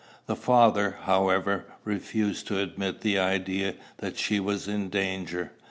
The father, however, refused to admit the idea that she was in danger.